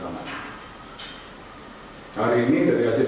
hari ini dari hasil pemeriksaan dan perawatan dari tim dokter